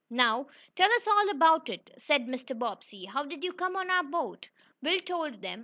"Now tell us all about it," said Mr. Bobbsey. "How did you come on our boat?" Will told them.